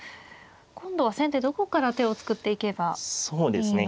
今度は先手どこから手を作っていけばいいのか。